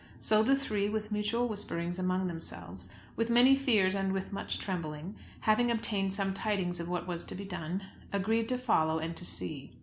So the three, with mutual whisperings among themselves, with many fears and with much trembling, having obtained some tidings of what was to be done, agreed to follow and to see.